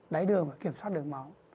đáy đường phải kiểm soát đường máu